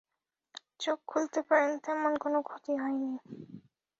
চোখ খুলতে পারেন, তেমন কোনো ক্ষতি হয়নি।